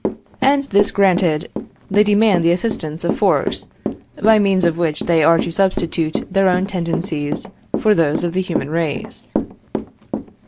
And, this granted, they demand the assistance of force, by means of which they are to substitute their own tendencies for those of the human race.